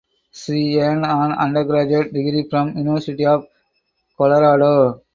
She earned an undergraduate degree from University of Colorado.